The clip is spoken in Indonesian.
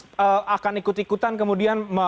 apakah akan ikut ikutan kemudian